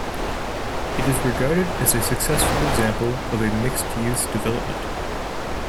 It is regarded as a successful example of a Mixed-use Development.